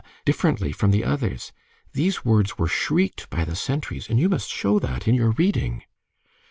differently from the others. These words were shrieked by the sentries, and you must show that in your reading."